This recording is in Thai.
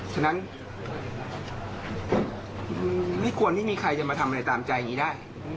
ฉะนั้นไม่ควรไม่มีใครจะมาทำอะไรตามใจอย่างนี้ได้